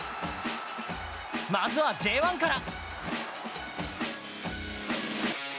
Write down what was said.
まずはＪ１から。